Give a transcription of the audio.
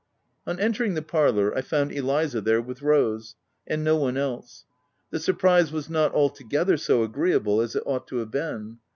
On entering the parlour, I found Eliza there, with Rose and no one else. The surprise was not altogether so agreeable as it ought to have been.